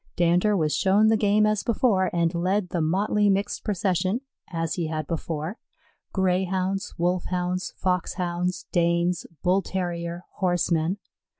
Dander was shown the game as before and led the motley mixed procession as he had before Greyhounds, Wolfhounds, Foxhounds, Danes, Bull terrier, horsemen.